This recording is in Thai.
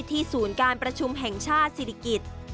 ศูนย์การประชุมแห่งชาติศิริกิจ